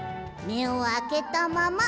めをあけたまま！？